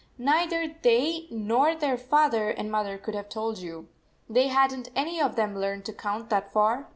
Neither they nor their father and mother could have told you. They had n t any of them learned to count that far.